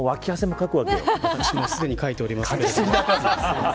私もすでにかいております。